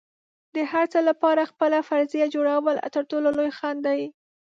د هر څه لپاره خپله فرضیه جوړول تر ټولو لوی خنډ دی.